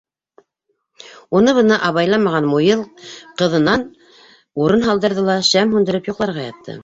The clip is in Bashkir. Уны-быны абайламаған Муйыл ҡыҙынан урын һалдырҙы ла, шәм һүндереп, йоҡларға ятты.